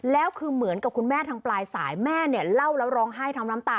แล้วคือเหมือนกับคุณแม่ทางปลายสายแม่เนี่ยเล่าแล้วร้องไห้ทั้งน้ำตา